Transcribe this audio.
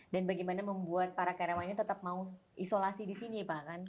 dan bagaimana membuat para karyawannya tetap mau isolasi di sini pak kan